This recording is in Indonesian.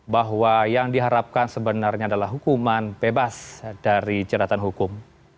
bahwa yang diharapkan sebenarnya adalah hukuman bebas dari jeratan hukum